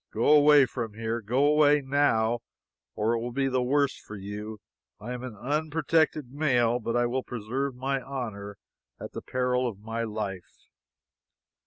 Go away from here go away, now, or it will be the worse for you. I am an unprotected male, but I will preserve my honor at the peril of my life!"